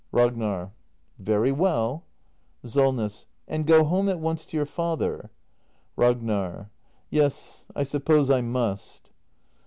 Ragnar. Very well. SOLNESS. And go home at once to your father. Ragnar. Yes, I suppose I must.